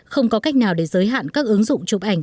không có cách nào để giới hạn các ứng dụng chụp ảnh